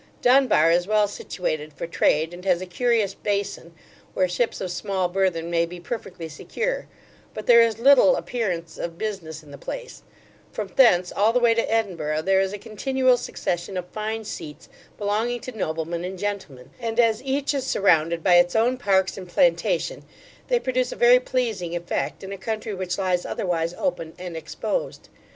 Dunbar is well situated for trade, and has a curious bason, where ships of small burthen may be perfectly secure; but there is little appearance of business in the place From thence, all the way to Edinburgh, there is a continual succession of fine seats, belonging to noblemen and gentlemen; and as each is surrounded by its own parks and plantation, they produce a very pleasing effect in a country which lies otherwise open and exposed.